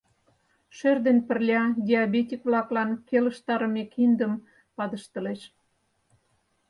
Шӧр дене пырля диабетик-влаклан келыштарыме киндым падыштылеш.